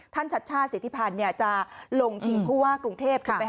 ท่านชัชช่าเสียทิพันธ์เนี่ยจะลงชิงผู้ว่ากรุงเทพฯ